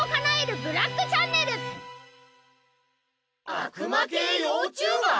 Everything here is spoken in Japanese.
悪魔系ヨーチューバー？